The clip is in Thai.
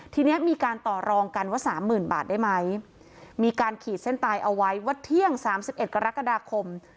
ทีนี้มีการต่อรองกันว่าสามหมื่นบาทได้ไหมมีการขีดเส้นตายเอาไว้ว่าเที่ยงสามสิบเอ็ดกรกฎาคม